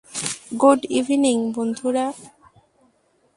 Good evening, বন্ধুরা।